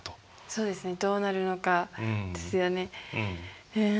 そうですねどうなるのかですよね。